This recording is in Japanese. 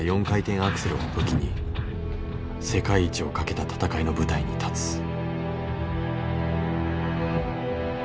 ４回転アクセルを武器に世界一をかけた戦いの舞台に立つ。